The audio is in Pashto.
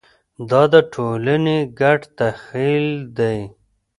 دا د ټولنې ګډ تخیل دی.